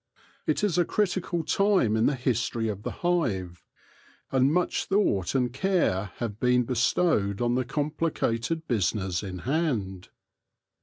It is a critical time in the history of the hive, and much thought and care have been bestowed on the complicated business in hand.